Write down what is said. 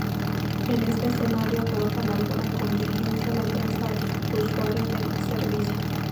En este escenario, ¿afronta alguna contingencia la empresa usuaria del servicio?.